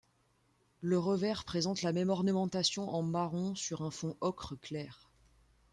Le revers présente la même ornementation en marron sur un fond ocre clair.